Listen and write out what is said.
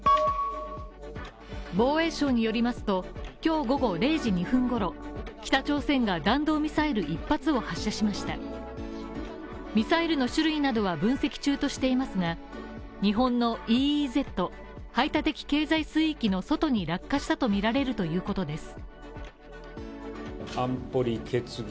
防衛省によりますと今日午後０時２分ごろ、北朝鮮が弾道ミサイル１発を発射しましたミサイルの種類などは分析中としていますが、日本のＥＥＺ＝排他的経済水域の外に落下したとみられるということです。